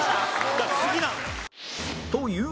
だから次なのよ。